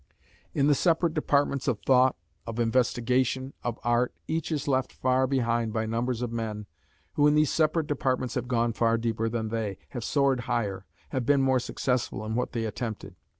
In the separate departments of thought, of investigation, of art, each is left far behind by numbers of men, who in these separate departments have gone far deeper than they, have soared higher, have been more successful in what they attempted.